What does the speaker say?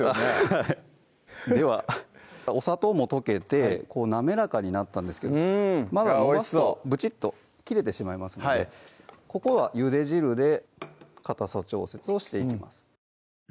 はいではお砂糖も溶けて滑らかになったんですけどまだ伸ばすとぶちっと切れてしまいますのでここはゆで汁でかたさ調節をしていきます